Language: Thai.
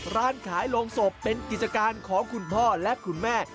ร้านขายโรงศพเป็นกิจการของคุณพ่อและคุณแม่